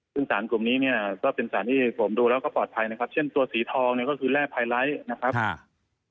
ซึ่งสารกลุ่มนี้เนี่ยก็เป็นสารที่ผมดูแล้วก็ปลอดภัยนะครับเช่นตัวสีทองเนี่ยก็คือแร่ไฮไลท์นะครับ